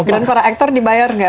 dan para aktor dibayar nggak